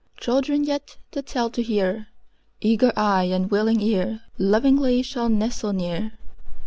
Children yet, the tale to hear, Eager eye and willing ear, Lovingly shall nestle near.